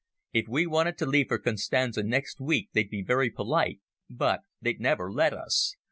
If we wanted to leave for Constanza next week they'd be very polite, but they'd never let us.